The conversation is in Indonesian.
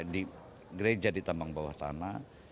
di gereja di tambang bawah tanah